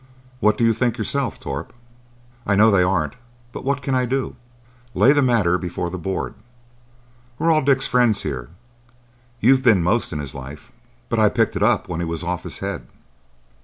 —What do you think yourself, Torp?" "I know they aren't. But what can I do?" "Lay the matter before the board. We are all Dick's friends here. You've been most in his life." "But I picked it up when he was off his head."